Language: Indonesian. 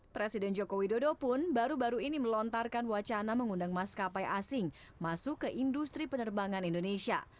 presiden joko widodo pun baru baru ini melontarkan wacana mengundang maskapai asing masuk ke industri penerbangan indonesia